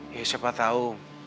ya siapa tahu